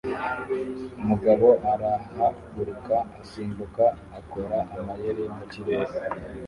Umugabo arahaguruka asimbuka akora amayeri mu kirere